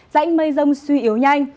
dãnh mây rông suy yếu nhanh